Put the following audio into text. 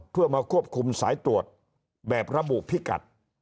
เพื่อมาควบคุมสายตรวจแบบระบุพิกัด